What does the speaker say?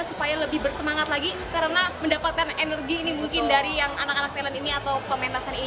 supaya lebih bersemangat lagi karena mendapatkan energi ini mungkin dari yang anak anak talent ini atau pementasan ini